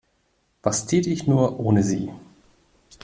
Was täte ich nur ohne Sie?